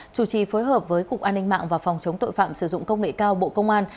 chủ trì phối hợp với cục an ninh mạng và phòng chống tội phạm sử dụng công nghệ cao bộ công an